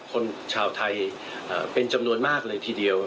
คนไทยชาวไทยเป็นจำนวนมากเลยทีเดียว